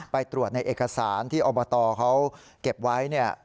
ไปตรวจในเอกสารที่อบตเขาเก็บไว้เนี่ย